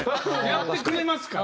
やってくれますから。